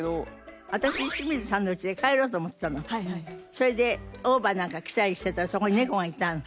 それでオーバーなんか着たりしてたらそこに猫がいたの。